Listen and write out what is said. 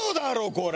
これ。